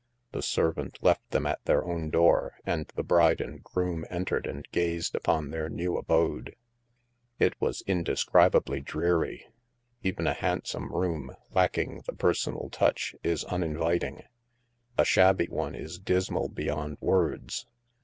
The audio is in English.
The servant left them at their own door, and the bride and groom entered and gazed upon their new abode. It was indescribably dreary. Even a handsome room, lacking the personal touch, is uninviting; a shabby one is dismal beyond words.